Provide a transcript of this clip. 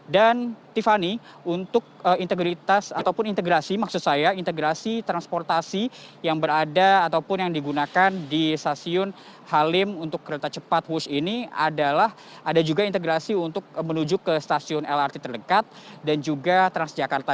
dan tiffany untuk integritas ataupun integrasi maksud saya integrasi transportasi yang berada ataupun yang digunakan di stasiun halim untuk kereta cepat woos ini adalah ada juga integrasi untuk menuju ke stasiun lrt terdekat dan juga transjakarta